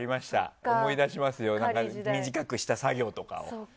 思い出しますよ短くした作業とかを。